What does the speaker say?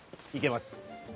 行けます。